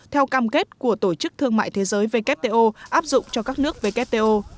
theo cam kết của tổ chức thương mại thế giới wto áp dụng cho các nước wto